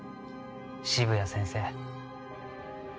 渋谷先生